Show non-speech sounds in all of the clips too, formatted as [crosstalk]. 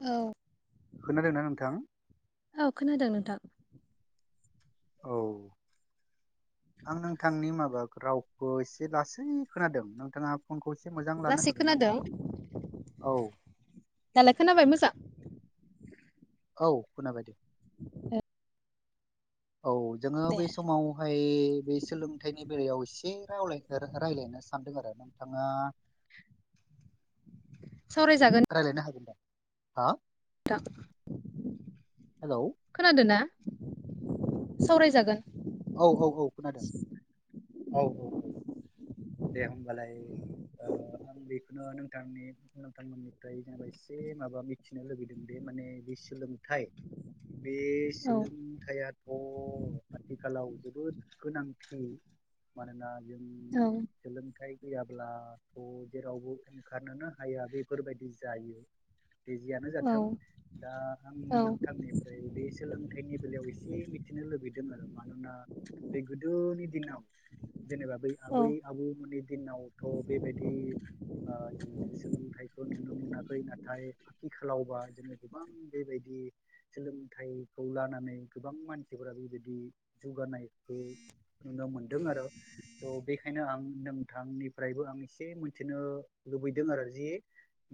औ खोनादोंना नोंथां औ खोनादों नोंथां। औ आं नोंथांनि माबा रावखौ एसे लासै खोनादों नोंथाङा फनखौ एसे मोजां लानो लासै हागोन नामा खोनादों औ दालाय खोनाबाय मोजां औ खोनाबाय दे औ जोङो बे समावहाय बे सोलोंथाइनि बेलायाव एसे एसे रावलाय रायलायनो सानदों आरो नोंथाङा सावरायजागोन रायलायनो हागोन दा हा हेलौ खोनादों ना सावरायजागोन औ औ औ खोनादों औ औ औ दे होनबालाय ओ आं बेखौनो नोंथांनि नोंथांमोननिफ्राय जेनबा एसे माबा मिथिनो लुगैदों दि माने बिसोलोंथाइ [unintelligible] बे औ सोलोंथायाइया आथिखालाव जोबोद गोनांथि मानोना जों औ सोलोंथाइ फैयाब्लाथ' जेरावबो ओंखारनोनो हाया बेफोरबायदि जायो दे जिआनो औ जाथों दा आं औ नोंथांनिफ्राय बे सोलोंथाइनि बेलायाव एसे मिथिनो नो लुबैदों आरो मानोना बे गोदोनि दिनाव जेनेबा बै औ आबै आबौमोननि दिनावथ' बेबायदि ओ जोङो सोलोंथाइखौ नुनो मोनाखै नाथाय आथिखालावबा जोङो गोबां बेबायदि सोलोंथाइखौ लानानै गोबां मानसिफोरा बेबायदि जौगानायखौ नुनो मोनदों आरो स' बेखायनो आं नोंथांनिफ्रायबो आं एसे मिथिनो लुबैदों आरो जि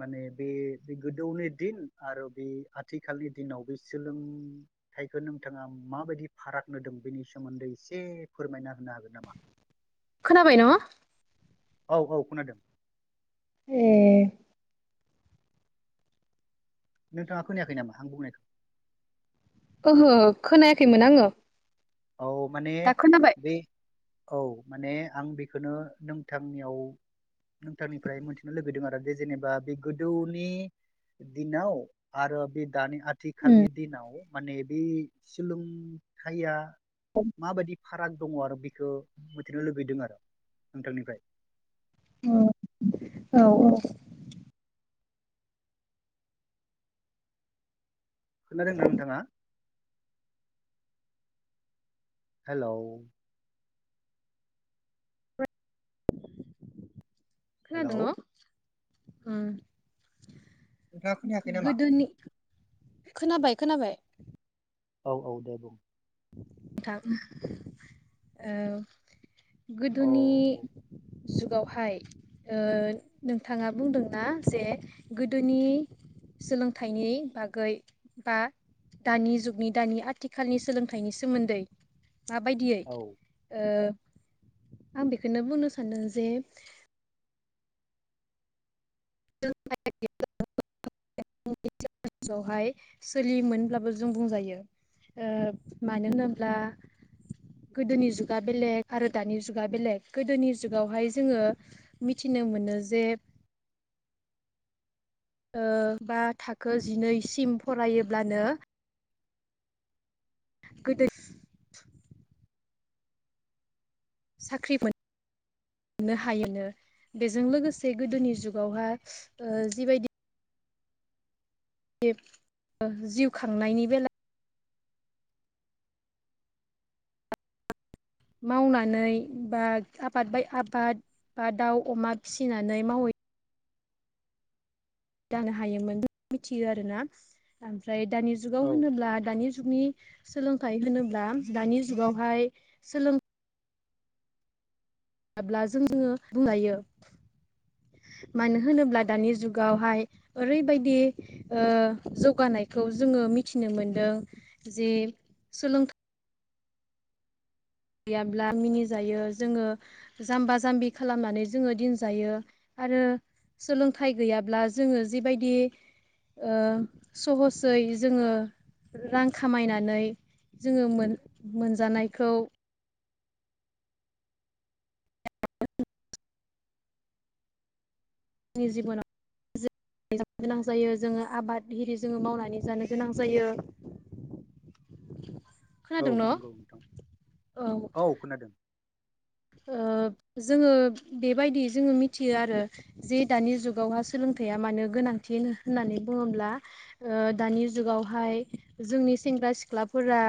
माने बे बे गोदौनि दिन आरो बे आथिखालनि दिनाव बे सोलों थाइखौ नोंथाङा माबायदि फाराग होदों बेनि सोमोन्दै एसे फोरमायना होनो हागोन नामा? खोनाबाय न? औ औ खोनादों ए नोंथाङा खोनायाखै नामा आं बुंनायखौ? ओहो खोनायाखैमोन आङो। औ माने दा खोनाबाय बे औ माने आं बेखौनो नोंथांनियाव नोंथांनिफ्राय मोनथिनो लुगैदों आरो जे जेनेबा बे गोदौनि दिनाव आरो बे दानि आ उम थिखालनि दिनाव माने बे सोलोंथायया माबायदि? फाराग दङ आरो बिखौ मिथिनो लुबैदों आरो नोंथांनिफ्राय। औ औ औ खोनादोंदा नोंथाङा? हेल' खोना हेलौ दों न उम नोंथाङा खोनायाखै नामा गोदोनि खोनाबाय खोनाबाय औ औ दे बुं थां ओ औ गोदोनि जुगावहाय ओ नोंथाङा बुंदोंना जे गोदोनि सोलोंथाइनि बागै बा दानि जुगनि दानि आथिखालनि सोलों थाइनि सोमोन्दै माबायदियै औ ओ आं बेखौनो बुंनो सानदों जे [unintelligible] समावहाय सोलियोमोनब्लाबो जों बुंजायो। ओ मानो होनोब्ला गोदोनि जुगा बेलेग आरो दानि जुगा बेलेग गोदोनि जुगावहाय जोङो मिथिनो नों मोनो जे ओ बा थाखो जिनैसिम फरायोब्लानो गोदो साख्रि मोन मोननो हायोनो बेजों लोगोसे गोदोनि जुगावहा ओ जिबायदि बे ओ जिउ खांनायनि बेला मावनानै बा आबाद बाय आबाद। बा दाउ अमा फिसिनानै मावयै जानो हायोमोन मिथियो आरोना ओमफ्राय दानि जुगाव औ होनोब्ला दानि जुगनि सोलोंथाइ होनोब्ला दानि जुगावहाय सोलों जाब्ला जों जोङो बुंजायो। मानो होनोब्ला दानि जुगावहाय ओरैबायदि ओ‌ जौगानाय खौ जोङो मिथिनो मोनदों जे सोलोंथाइ गैयाब्ला मिनिजायो जोङो जाम्बा जाम्बि खालामनानै जोङो दिनजायो। आरो सोलोंथाइ गैयाब्ला जोङो जिबायदि ओ सहसै जोङो रां खामायनानै जोङो मोन मोनजानायखौ आंनि जिबनाव जि गोनां जायो जोङो आबाद एरि जोङो मावनानै जानो गोनां जायो। खोनादों न' औ नंगौ नोंथां औ खोनादों ओ जोङो बेबायदि जोङो मिथियो आरो जे दानि जुगावहा सोलों थाया मानो गोनां होननानै बुङोब्ला ओ दानि जुगावहाय जोंनि सेंग्रा सिख्लाफोरा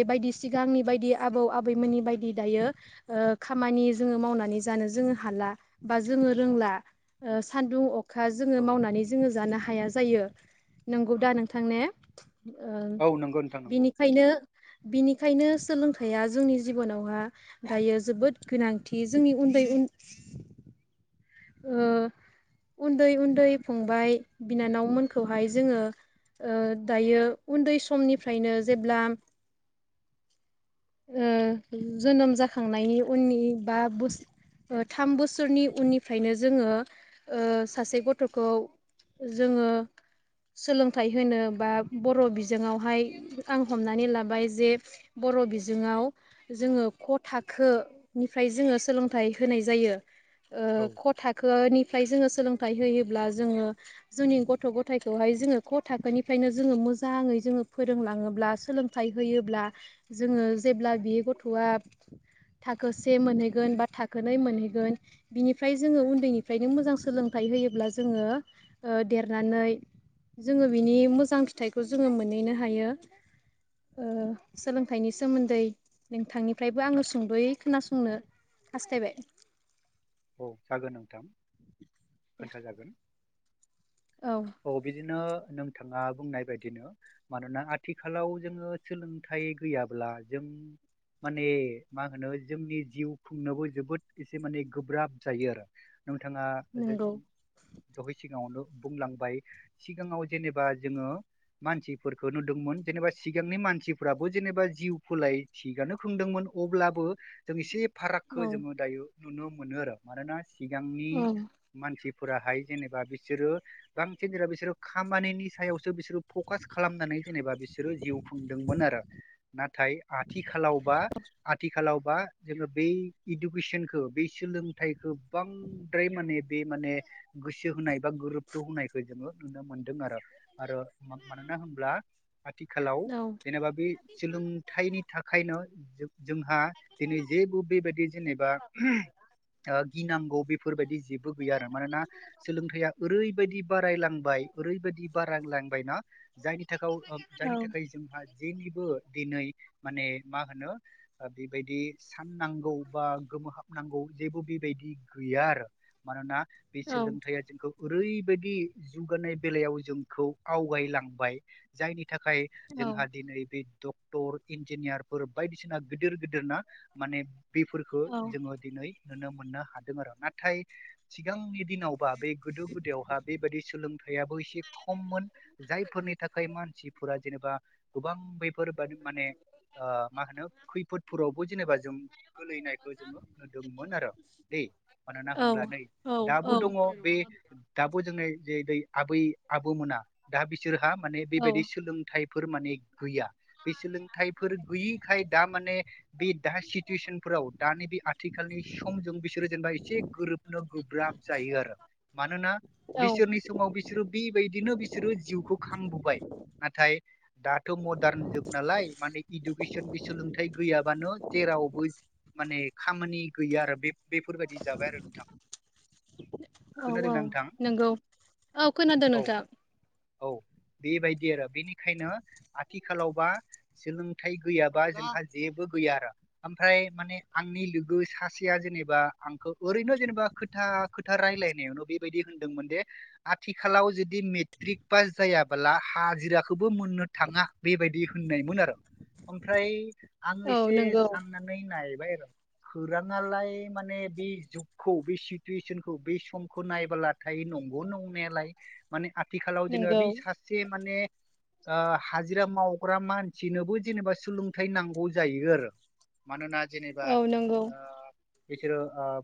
बेबायदि सिगांनि बायदि आबौ आबैमोननि बायदि दायो ओ खामानि जोङो मावनानै जानो जोङो हाला बा जोङो रोंला। ओ सानदुं अखा जोङो औ मावनानै जोङो जानो हा हाया जायो नंगौ दा नोंथां ने? ओ औ नंगौ नोंथां नंगौ बिनिखायनो बिनिखायनो सोलोंथाइया जोंनि जिबनावहा दायो जोबोद गोनांथि जोंनि उन्दै उन ओ उन्दै उन्दै फंबाय बिनानावमोनखौहाय जोङो ओ दायो उन्दै समनिफ्रायनो जेब्ला ओ जोनोम जाखांनायनि उननि बा बुस ओ थाम बोसोरनि उननिफ्रायनो जोङो ओ सासे गथ'खौ जोङो सोलोंथाइ होनो बा बर' बिजोङाव हाय आं हमनानै लाबाय जे बर' बिज जोङाव जोङो क' थाखो निफ्राय जोङो सोलोंथाइ होनाय जायो। ओ औ क थाखोनिफ्राय जोङो सो सोलोंथाइ होयोब्ला जोङो जोंनि गथ' गथायखौहाय जोङो क थाखोनिफ्रायनो जोङो मोजाङै जोङो फोरोंलाङोब्ला सोंलोंथाय होयोब्ला जोङो जेब्ला बि गथ'आ थाखो से मोनहैगोन बा थाखो नै मोनहैगोन बिनिफ्राय जोङो उन्दैनिफ्रायनो मोजां सोलोंथाइ होयोब्ला जोङो ओ देरनानै जोङो बिनि मोजां फिथाइखौ जोङो मोनहैनो हायो। ओ सोलोंथाइनि सोमोन्दै नोंथांनिफ्रायबो आङो सुंद'यै खोनासंनो हास्थायबाय। औ जागोन नोंथां खोनथा जागोन। औ बिदिनो नोंथाङा बुंनाय बायदिनो मानोना आथिखालाव जोङो सोलोंथाइ गैयाब्ला जों [unintelligible] माने मा होनो जोंनि जिउ खुंनोबो जोबोद एसे माने गोब्राब जायो आरो नोंथाङा नंगौ दहाय सिगाङावनो बुंलांबाय सिगाङाव जेनेबा जोङो मानसिफोरखौ नुदोंमोन जेनेबा सिगांनि मानसिफोराबो जेनेबा जिउ फोलाय थिगानो खुंदोंमोन। अब्लाबो जों एसे औ फारागखौ जोङो दायो नुनो मोनो आरो मानोना सिगांनि औ मानसि फोराहाय जेनेबा बिसोरो बांसिन जेनबा बिसोरो खामानिनि सायावसो बिसोरो फकास खालामनानै जेनेबा बिसोरो जिउ खुंदोंमोन आरो नाथाय आथिखालावबा आथिखालाव जोङो बै इडुकेसनखौ ब सोलोंथाइखौ बांद्राय माने बे माने गोसो होनाय बा गुरुथ' होनायखौ जोङो नुनो मोनदों आरो। आरो मानोना होनोमब्ला आथिखालाव औ जेनेबा बे सोलोंथाइनि थाखायनो जोंहा दिनै जेबो बेबायदि जेनेबा गिनांगौ बेफोरबायदि जेबो गैया आरो मानोना सोलोंथाइया ओरैबायदि बारायलांबाय ओरैबादि बारा लांबायना जायनि जायनि थाखाय जोंहा जेनिबो दिनै माने मा होनो बेबायदि फाननांगौ बा गोमोहाबनांगौ जेबो बेबायदि गैया आरो मानोना बे औ सोलोंथाइआ जोंखौ ओरैबायदि जौगानाय बेलायाव जोंखौ आवगायलांबाय जायनि नि थाखाय जोंहा दिनै बे डक्टर इन्जिनियारफोर बायदिसिना गिदिर गिदिर ना माने बेफोरखौ औ जोङो दिनै नुनो मोननो हादों आरो नाथाय सिगांनि दिनावबा बे गोदो गोदोआवहा बेबायदि सोलोंथाइ बो एसे खममोन जायफोरनि थाखाय मानसिफोरा जेनेबा गोबां खैफोद ब माने मा होनो खैफोदफोरावबो जेनेबा जों गोलैनायखौ जोङो नुदों। दै मा होनब्ला नै दाबो दङ बे दा ज आबै आब मोना दा बिसोरहा मान औ बेबायदि सोलोंथाइ फोर माने गैया बे सोलोंथाइफोर गैयैखाय दा माने बे दा सिटुेसन र दाानि बे आ आथिखालनि समजों बिसोरो जेनेबा एसे गोरोबनो गोब्राब जायो आरो मानोना औ बिसोरनि समाव बिसोरो बि बेबायदिनो बिसोरो जिउखौ खांबोबाय नाथाय दाथ' मदार्न जुग नालाय माने इडुकेसन बे सोलोंथाइ गैयाबानो जेरावबो माने खामानि गैया आरो बे बेफोरबायदि जाबाय आरो नोंथां। औ औ खोनादोंना नोंथां नंगौ औ खोनादों औ नोथां। औ बेबायदि आरो बेनिखायनो आथिखालावबा सोलोंथाइ गैयाबा जोंहा जेबो गैया आरो ओमफ्राय माने आंनि लोगो सासेया जेनेबा आंखौ ओरैनो जेनेबा खोथा खोथा रायलायनायावनो बेबायदि होनदोंमोन दि आथिखालाव जदि मेट्रिक पास जायाबला हाजिराखौबो मोननो थाङा बेबायदि होननायमोन आरो। ओमफ्राय आं औ एसे नंगौ साननानै नायबा खौाङालाय माने बे जुगखौ बे सिथुवेसनखौ बे समखौ नायबोलाथाय नंगौ नंनायालाय माने आथिखालाव जेनेबा नंगौ बे सासे माने हाजिरा मावग्रा मानसिनोबो जेनेबा सोलोंथाइ नांगौ जायो आरो। मानना जिनिबा नांगौ बिसोरो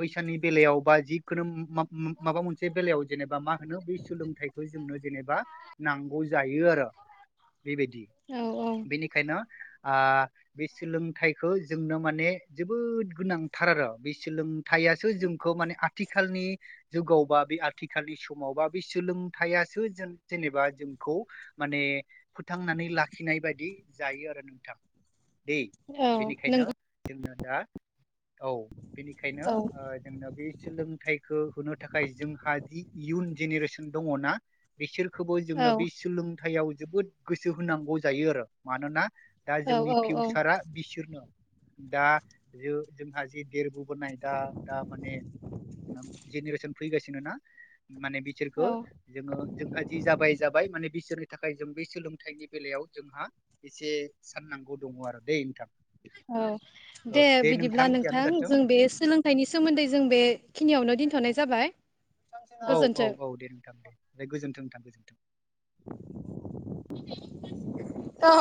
फैसानि बेलायाव बा जिखुनु माबा मोनसे बेलायाव। जेनेबा मा होनो बे सोलोंथाइखौ जोंनो जेनेबा नांगौ जायो आरो। बेबायदि औ औ बेनिखायनो बे सोलोंथाइखौ। जोंनो माने जोबोद गोनांथार आरो बे सोलोंथाइयासो जोंखौ माने आथिखालनि जुगावबा बे आथिखालनि समावबा बे सोलोंथाइसो जों जेनेबा जोंखौ माने। माने फोथांनानै लाखिनाय बायदि जायो आरो नोंथां। औ। बेनो नंगौ जोंना दा। औ बेनिखायनो औ जोंनो बे सोलोंथाइखौ होनो थाखाय जोंहा जि इयुन जेनेरेसन दङ ना बिसोरखौबो औ जोंनो बे सोलोंथाइयाव। जोबोद गोसो होनांगौ जायो आरो मानोना दा औ जोंनि औ औ फिउसारा बिसोरनो। दा जों जोंहा जि देरबो [inaudible] माने बिसोरखौ औ जोङो जोंहा जि जाबाय जाबाय माने बिसोर। थाखाय जों बे सोलोंथाइनि बेलायाव जोंहा एसे साननांगौ दङ आरो दे नोंथां। औ ओ दे बिदिब्ला जियानो नोंथां जाथों जों बे सोलोंथाइनि सोमोन्दै जों बेखिनियावनो दोनथ'नोसै। जाबाय। औ औ गोजोन्थों। औ दे नोंथां दे ओमफ्राय गोजोन्थों नोंथां गोजोन्थों। औ।